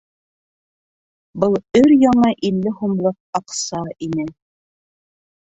Был өр-яңы илле һумлыҡ аҡса ине.